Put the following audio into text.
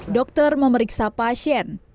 dokter memeriksa pasien